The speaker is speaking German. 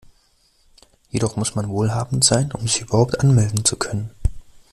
Jedoch muss man wohlhabend sein, um sich überhaupt anmelden zu können.